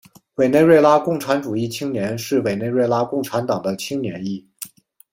委内瑞拉共产主义青年是委内瑞拉共产党的青年翼。